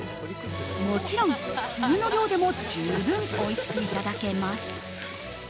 もちろん、普通の量でも十分おいしくいただけます。